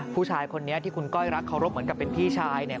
ผู้ชายคนนี้ที่คุณก้อยรักเคารพเหมือนกับเป็นพี่ชายเนี่ย